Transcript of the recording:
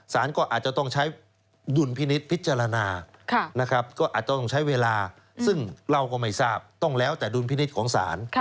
สารก็อาจจะต้องใช้ดุลพินิษฐ์พิจารณานะครับก็อาจจะต้องใช้เวลาซึ่งเราก็ไม่ทราบต้องแล้วแต่ดุลพินิษฐ์ของศาล